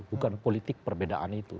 bukan politik perbedaan itu